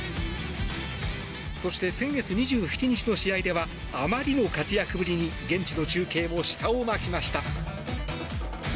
そして先月２７日の試合ではあまりの活躍ぶりに現地の中継も舌を巻きました。